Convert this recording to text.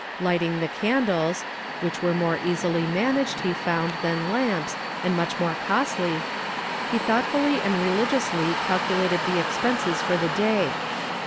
Lighting the candles, which were more easily managed, he found, than lamps, and much more costly, he thoughtfully and religiously calculated the expenses for the day.